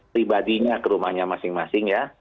pribadinya ke rumahnya masing masing ya